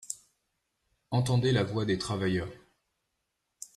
Entendez la voix des travailleurs.